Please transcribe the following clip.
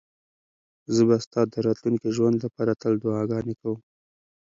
زه به ستا د راتلونکي ژوند لپاره تل دعاګانې کوم.